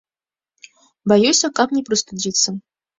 Баюся, каб не прастудзіцца.